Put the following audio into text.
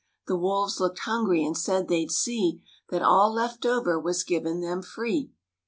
The wolves looked hungry and said they'd see That all left over was given them free.